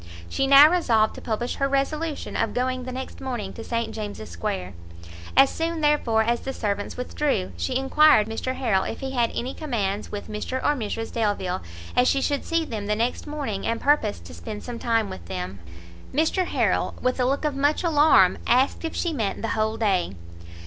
She now resolved to publish her resolution of going the next morning to St James's square. As soon, therefore, as the servants withdrew, she enquired of Mr Harrel if he had any commands with Mr or Mrs Delvile, as she should see them the next morning, and purposed to spend some time with them. Mr Harrel, with a look of much alarm, asked if she meant the whole day.